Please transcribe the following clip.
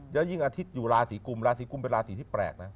แล้วยิ่งอาทิตย์อยู่ราศีกุมราศีกุมเป็นราศีที่แปลกนะ